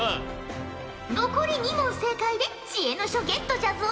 残り２問正解で知恵の書ゲットじゃぞ！